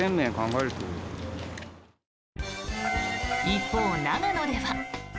一方、長野では。